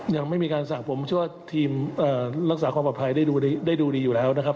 ยังไม่มีการสั่งผมเชื่อว่าทีมรักษาความปลอดภัยได้ดูดีอยู่แล้วนะครับ